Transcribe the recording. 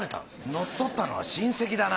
乗っ取ったのは親戚だな。